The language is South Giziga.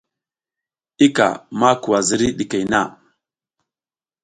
I ka ma kuwa ziriy ɗikey na.